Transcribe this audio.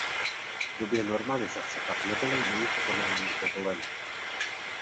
V době normalizace pak nebylo jejich konání povoleno.